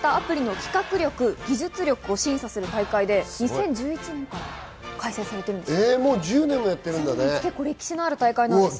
企画力、技術力を審査する大会で２０１１年から開催されているそうです。